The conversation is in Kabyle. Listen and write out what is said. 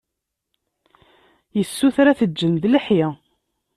Yessuter ad t-ǧǧen d lḥi.